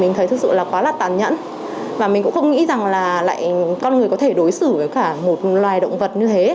mình thấy thực sự là quá là tàn nhẫn và mình cũng không nghĩ rằng là con người có thể đối xử với cả một loài động vật như thế